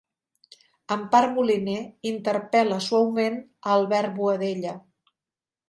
Empar Moliner interpel·la suaument a Albert Boadella